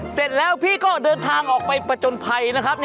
เสร็จแล้วพี่ก็เดินทางออกไปประจนภัยนะครับ